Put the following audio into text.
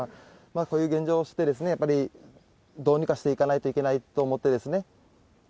まあ、こういう現状を知って、やっぱりどうにかしていかないといけないと思ってですね。